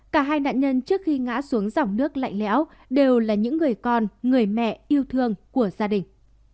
cả hai nạn nhân trước khi ngã xuống dòng nước lạnh lẽo đều là những người con người mẹ yêu thương của gia đình